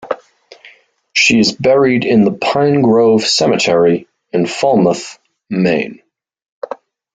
She is buried in the Pine Grove Cemetery, in Falmouth, Maine.